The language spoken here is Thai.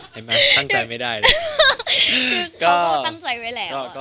เห็นไหมตั้งใจไม่ได้เลย